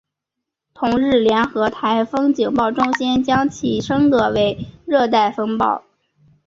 同日联合台风警报中心将其升格为热带风暴。